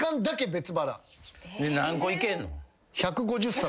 何個いけんの？